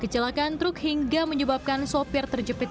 kecelakaan truk hingga menyebabkan sopir terjepit